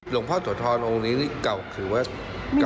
หลวงพ่อโทษธรรมนี้เก่าหรือว่า